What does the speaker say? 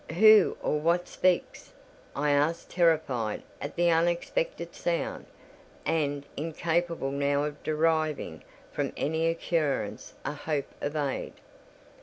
"Who or what speaks?" I asked, terrified at the unexpected sound, and incapable now of deriving from any occurrence a hope of aid.